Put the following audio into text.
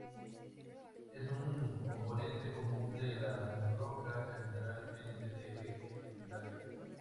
Es un componente común de las rocas, generalmente de origen secundario.